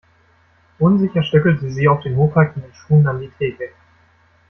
Unsicher stöckelte sie auf den hochhackigen Schuhen an die Theke.